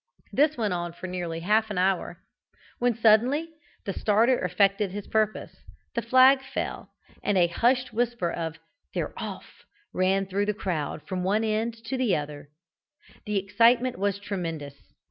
This went on for nearly half an hour, when suddenly the starter effected his purpose the flag fell and a hushed whisper of "They're off!" ran through the crowd from one end to another. The excitement was tremendous.